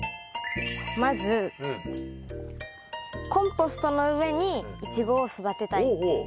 まずコンポストの上にイチゴを育てたいっていう。